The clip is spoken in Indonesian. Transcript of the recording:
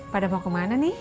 pada mau ke mana nih